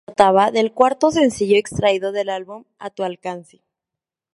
Se trata del cuarto sencillo extraído del álbum "A tu alcance".